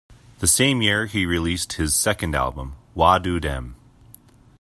The same year he released his second album, "Wa Do Dem".